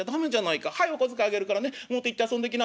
はいお小遣いあげるからね表行って遊んできな』ってね